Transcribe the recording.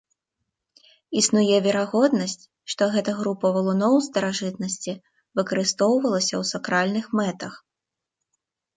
Існуе верагоднасць, што гэта група валуноў у старажытнасці выкарыстоўвалася ў сакральных мэтах.